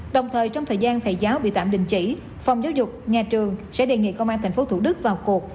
đồng thời trong thời gian thầy giáo bị tạm đình chỉ phòng giáo dục nhà trường sẽ đề nghị công an tp thủ đức vào cuộc